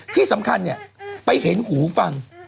ที่สำคัญไปเห็นหูฟัง